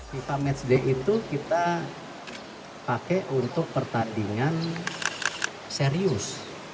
fifa matchday itu kita pakai untuk pertandingan serius